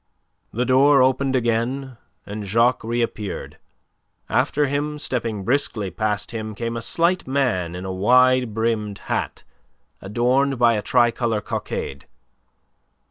The door opened again, and Jacques reappeared; after him, stepping briskly past him, came a slight man in a wide brimmed hat, adorned by a tricolour cockade.